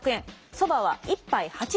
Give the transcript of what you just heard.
そばは１杯８５円